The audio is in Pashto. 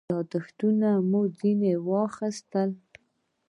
یاداښتونه مې ځنې واخیستل.